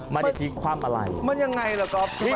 มันไม่พิการอะไร